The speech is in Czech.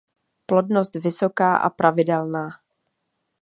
Plodnost vysoká a pravidelná.